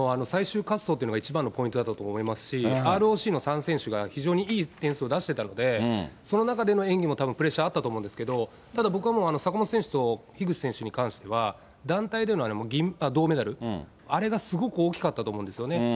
最終滑走というのが一番のポイントだったと思いますし、ＲＯＣの３選手が、非常にいい点数を出してたので、その中でも演技もたぶんプレッシャーあったと思うんですけれども、ただ、僕はもう坂本選手と樋口選手に関しては、団体での銅メダル、あれがすごく大きかったと思うんですよね。